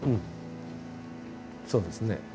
そうですね。